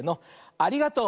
ありがとう。